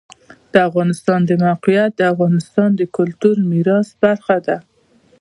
د افغانستان د موقعیت د افغانستان د کلتوري میراث برخه ده.